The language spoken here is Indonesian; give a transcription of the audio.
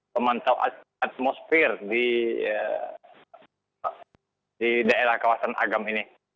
pemantau atmosfer di daerah kawasan agam ini